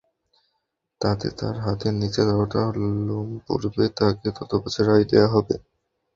তাতে তার হাতের নিচে যতটি লোম পড়বে তাকে তত বছরের আয়ু দেয়া হবে।